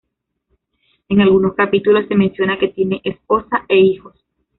En algunos capítulos se menciona que tiene esposa e hijos.